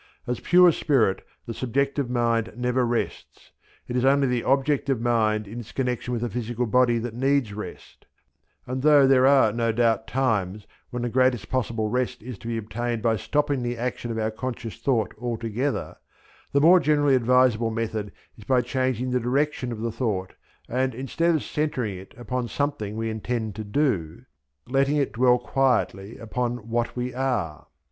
As pure spirit the subjective mind never rests: it is only the objective mind in its connection with the physical body that needs rest; and though there are no doubt times when the greatest possible rest is to be obtained by stopping the action, of our conscious thought altogether, the more generally advisable method is by changing the direction of the thought and, instead of centering it upon something we intend to do, letting it dwell quietly upon what we are.